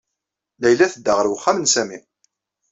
Layla tedda ɣer uxxam n Sami.